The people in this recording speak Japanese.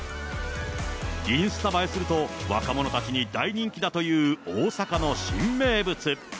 インスタ映えすると、若者たちに大人気だという大阪の新名物。